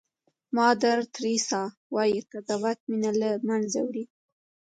مادر تریسیا وایي قضاوت مینه له منځه وړي.